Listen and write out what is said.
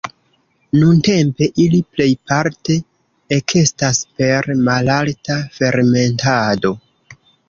Nuntempe ili plejparte ekestas per malalta fermentado.